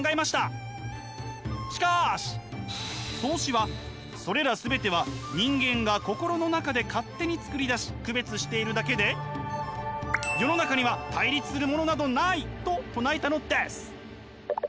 しかし荘子はそれらすべては人間が心の中で勝手に作り出し区別しているだけで「世の中には対立するものなど無い」と唱えたのです。